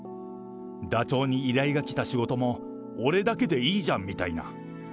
ダチョウに依頼が来た仕事も、俺だけでいいじゃんみたいな。